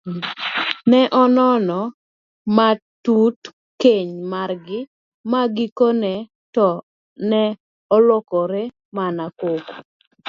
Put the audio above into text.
Ne onono matut keny margi magikone to ne olokore mana koko.